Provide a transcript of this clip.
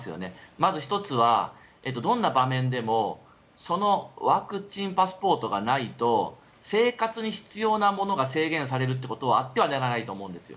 まず１つは、どんな場面でもそのワクチンパスポートがないと生活に必要なものが制限されるということはあってはならないと思うんですよ。